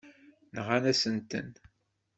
Nɣant-asen-ten.